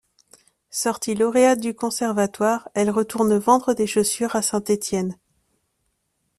Sortie lauréate du Conservatoire, elle retourne vendre des chaussures à Saint-Étienne.